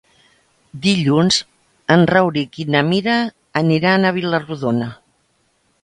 Dilluns en Rauric i na Mira aniran a Vila-rodona.